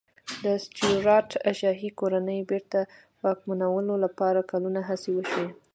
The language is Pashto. د سټیوراټ شاهي کورنۍ بېرته واکمنولو لپاره کلونه هڅې وشوې.